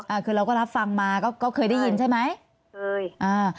อ่าคือเราก็รับฟังมาก็ก็เคยได้ยินใช่ไหมเคยอ่า